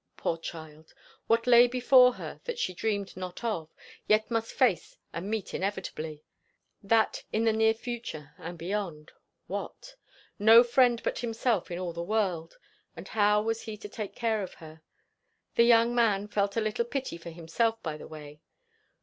Poor child! what lay before her, that she dreamed not of, yet must face and meet inevitably. That in the near future; and beyond what? No friend but himself in all the world; and how was he to take care of her? The young man felt a little pity for himself by the way.